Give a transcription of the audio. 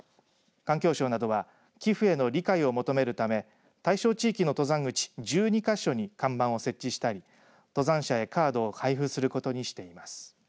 環境省では寄付への理解を求めるため対象地域の登山口１２か所に看板を設置したり登山者へカードを配布することにしています。